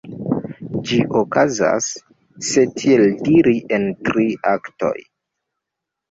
Ĝi okazas, se tiel diri, en tri aktoj.